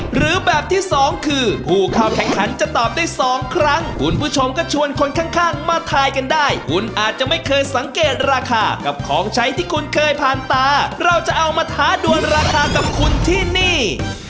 หรือแบบที่สองคือผู้เข้าแข่งขันจะตอบได้สองครั้งคุณผู้ชมก็ชวนคนข้างมาทายกันได้คุณอาจจะไม่เคยสังเกตราคากับของใช้ที่คุณเคยผ่านตาเราจะเอามาท้าดวนราคากับคุณที่นี่